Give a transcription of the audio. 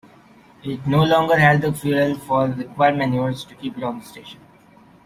It no longer had the fuel for required maneuvers to keep it on station.